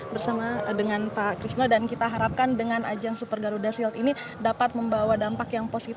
bersama dengan pak krishna dan kita harapkan dengan ajang super garuda shield ini dapat membawa dampak yang positif